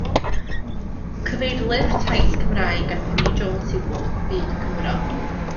Cyfeirlyfr taith Cymraeg gan Penri Jones yw Byd y Cymro.